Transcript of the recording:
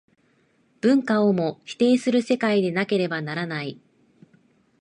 文化をも否定する世界でなければならない。